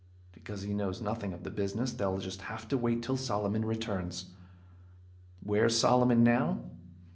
Because he knows nothing of the business, they'll have to wait until Solomon returns. Where's Solomon now?